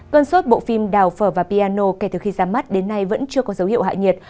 cơn sốt bộ phim đào phở và piano kể từ khi ra mắt đến nay vẫn chưa có dấu hiệu hạ nhiệt